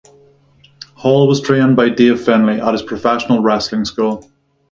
Hall was trained by Dave Finlay at his professional wrestling school.